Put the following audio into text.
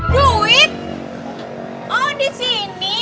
duit oh di sini